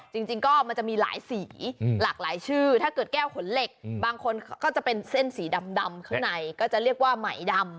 จริงก็มันจะมีหลายสีหลากหลายชื่อถ้าเกิดแก้วขนเหล็กบางคนก็จะเป็นเส้นสีดำข้างในก็จะเรียกว่าไหมดำ